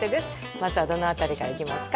まずはどの辺りからいきますか？